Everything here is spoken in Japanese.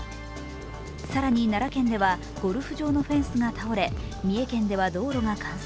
更に、奈良県ではゴルフ場のフェンスが倒れ、三重県では道路が冠水。